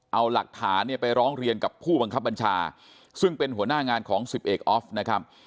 เอาหลักฐานเนี่ยไปร้องเรียนกับผู้บังคับบัญชาซึ่งเป็นหัวหน้างานของสิบเอกออฟนะครับ